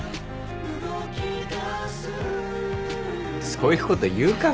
そういうこと言うか？